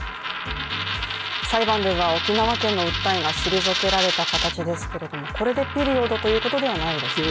裁判では沖縄県の訴えが退けられた形ですけどもこれでピリオドということはないんですね？